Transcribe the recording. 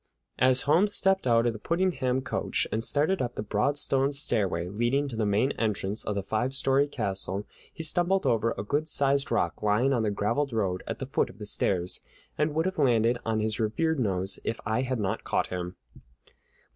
As Holmes stepped out of the Puddingham coach and started up the broad stone stairway leading to the main entrance of the five story castle, he stumbled over a good sized rock lying on the graveled road at the foot of the stairs, and would have landed on his revered nose if I had not caught him.